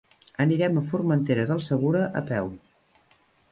Anirem a Formentera del Segura a peu.